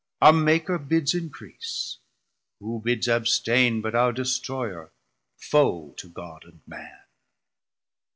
Our Maker bids increase, who bids abstain But our Destroyer, foe to God and Man?